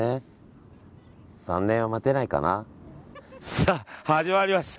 さあ、始まりました。